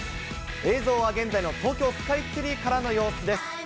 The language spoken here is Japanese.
映像は現在の東京スカイツリーからの様子です。